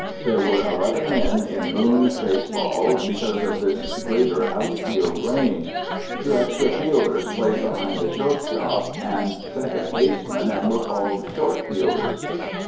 There were eleven men in Moon baseball because of this greater outfield range. Two extra fielders played behind the shortstop and second baseman and were called "short fielders."